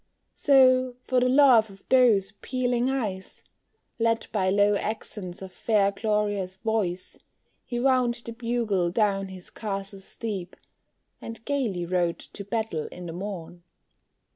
So, for the love of those appealing eyes, Led by low accents of fair Gloria's voice, He wound the bugle down his castle's steep, And gayly rode to battle in the morn.